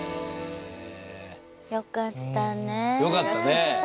よかったねえ。